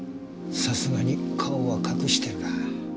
さすがに顔は隠してるか。